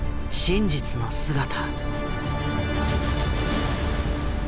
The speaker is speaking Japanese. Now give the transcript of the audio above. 真実の姿。